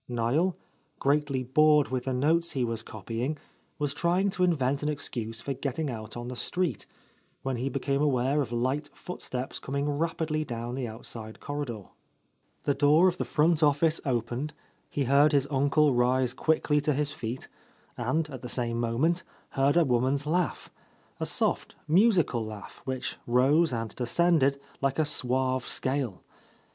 Niel, greatly bored with the notes he was copying, was trying to invent an excuse for getting out on the street, when he became aware of light footsteps coming rapidly down the outside corridor. The door of the front office opened, he heard his uncle rise quickly to his feet, and, at the same moment, heard a woman's laugh, — a soft, musical laugh which rose and descended like a suave scale.